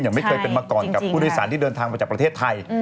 ไม่เคยเป็นมาก่อนกับผู้โดยสารที่เดินทางมาจากประเทศไทย